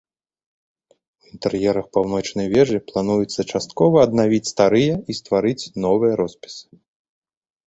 У інтэр'ерах паўночнай вежы плануецца часткова аднавіць старыя і стварыць новыя роспісы.